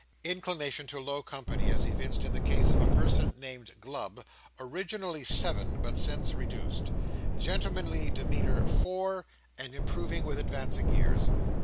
Inclination to low company, as evinced in the case of a person named Glubb, originally seven, but since reduced. Gentlemanly demeanour four, and improving with advancing years.